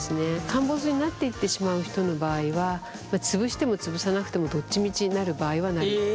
陥没になっていってしまう人の場合は潰しても潰さなくてもどっちみちなる場合はなるという。